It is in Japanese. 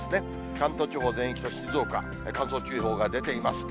関東地方全域と静岡、乾燥注意報が出ています。